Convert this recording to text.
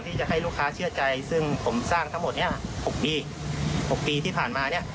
ที่จะให้ลูกค้าเชื่อใจเหมือนนี่ผมสร้างลูกพิกัด๖ปี